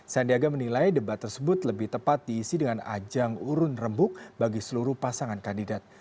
sandiaga menilai debat tersebut lebih tepat diisi dengan ajang urun rembuk bagi seluruh pasangan kandidat